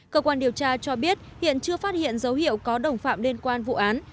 cơ quan điều tra cho biết hiện chưa phát hiện dấu hiệu có đồng phạm liên quan vụ án